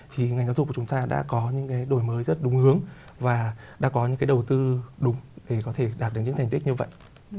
thì ngành giáo dục của chúng ta đã có những cái đổi mới rất đúng hướng và đã có những cái đầu tư đúng để có thể đạt được những thành tích như vậy